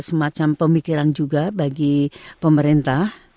semacam pemikiran juga bagi pemerintah